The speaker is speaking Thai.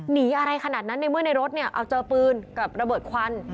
หนีอะไรขนาดนั้นในเมื่อในรถเนี่ยเอาเจอปืนกับระเบิดควัน